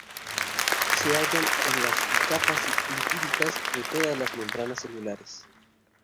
Se hallan en las bicapas lipídicas de todas las membranas celulares.